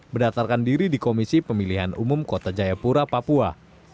mendatarkan diri di komisi pemilihan umum kota jayapura papua